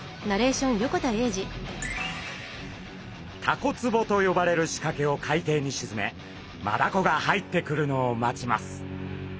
タコ壺と呼ばれるしかけを海底にしずめマダコが入ってくるのを待ちます。